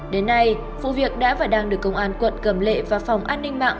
đến nay vụ việc đã và đang được công an quận cầm lệ và phòng an ninh mạng